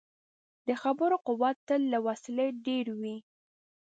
د خبرو قوت تل له وسلې ډېر وي.